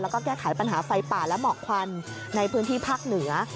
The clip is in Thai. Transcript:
แล้วก็แก้ไขปัญหาไฟป่าและหมอกควันในพื้นที่ภาคเหนือ